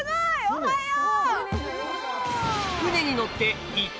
おはよう！